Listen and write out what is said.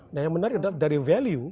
nah yang menarik adalah dari value